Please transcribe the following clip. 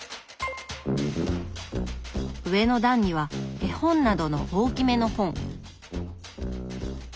上の段には絵本などの大きめの本。